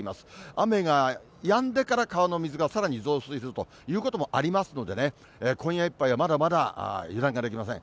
雨がやんでから、川の水がさらに増水するということもありますのでね、今夜いっぱいはまだまだ油断ができません。